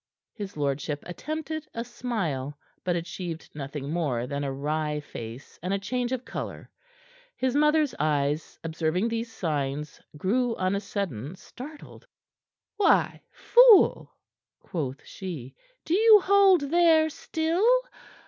His lordship attempted a smile, but achieved nothing more than a wry face and a change of color. His mother's eyes, observing these signs, grew on a sudden startled. "Why, fool," quoth she, "do you hold there still?